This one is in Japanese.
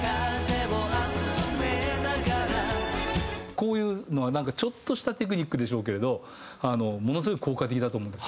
こういうのはなんかちょっとしたテクニックでしょうけれどものすごい効果的だと思うんです。